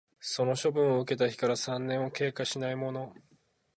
その処分を受けた日から三年を経過しないもの